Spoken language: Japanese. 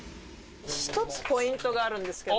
１つポイントがあるんですけど。